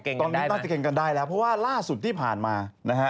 ตอนนี้น่าจะเก่งกันได้แล้วเพราะว่าล่าสุดที่ผ่านมานะฮะ